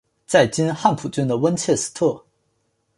在今汉普郡的温切斯特。